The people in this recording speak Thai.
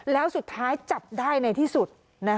แล้วสุดท้ายจับได้ในที่สุด